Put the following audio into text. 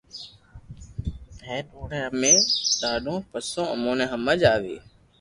ھين اوني امي ٺايو پسو اموني ھمج ۾ اوئي